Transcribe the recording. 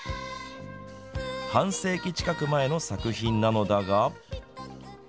半世紀近く前の作品なのだが。